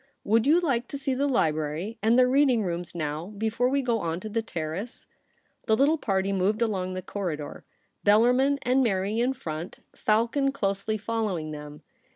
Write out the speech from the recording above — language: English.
' Would you like to see the library and the reading rooms now, before we go on to the Terrace ?' The little party moved along the corridor, Bellarmin and Mary in front, Falcon closely following them.